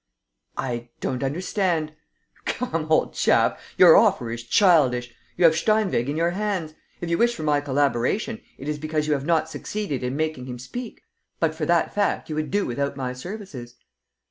"I don't understand." "Come, old chap, your offer is childish. You have Steinweg in your hands. If you wish for my collaboration, it is because you have not succeeded in making him speak. But for that fact, you would do without my services."